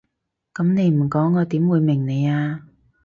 噉你唔講我點會明你啊？